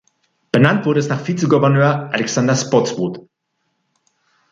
Benannt wurde es nach Vizegouverneur Alexander Spotswood.